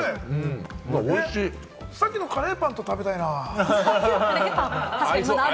さっきのカレーパンと食べたいなぁ。